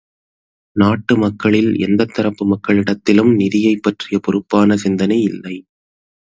நாட்டு மக்களில் எந்தத் தரப்பு மக்களிடத்திலும் நிதியைப் பற்றிய பொறுப்பான சிந்தனை இல்லை!